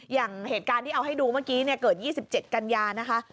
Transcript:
อย่างเหตุการณ์ที่เอาให้ดูเมื่อกี้เกิด๒๗กันยานะคะ